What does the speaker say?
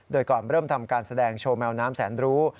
โดยก่อนเริ่มทำการแสดงโชว์แมวน้ำแสนรู้